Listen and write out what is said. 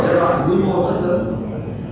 chế bản quy mô phát tượng